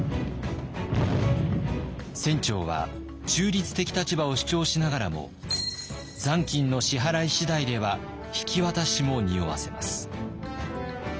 船長は中立的立場を主張しながらも残金の支払い次第では引き渡しもにおわせます。